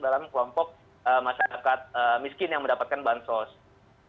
mereka masuk dalam kelompok masyarakat miskin yang mendapatkan bantuan sosial